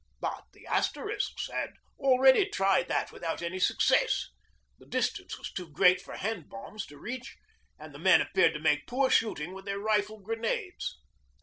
But the Asterisks had already tried that without any success. The distance was too great for hand bombs to reach, and the men appeared to make poor shooting with the rifle grenades.